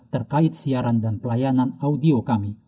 terkait siaran dan pelayanan audio kami